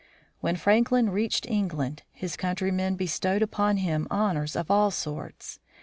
When Franklin reached England his countrymen be stowed upon him honors of all sorts.